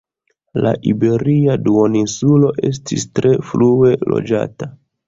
La iberia duoninsulo estis tre frue loĝata.